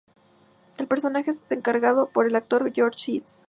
El personaje es encarnado por el actor George Eads.